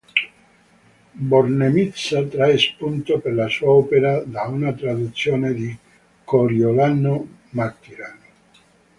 Bornemisza trae spunto per la sua opera da una traduzione di Coriolano Martirano.